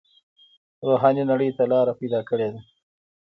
روحاني نړۍ ته لاره پیدا کړې ده.